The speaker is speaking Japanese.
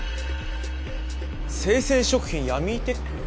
生鮮食品ヤミーテック？